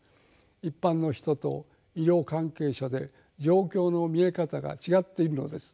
一般の人と医療関係者で状況の見え方が違っているのです。